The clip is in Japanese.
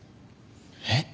えっ？